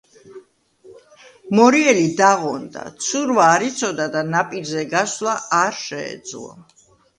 მორიელი დაღონდა, ცურვა არ იცოდა და ნაპირზე გასვლა არ შეეძლო.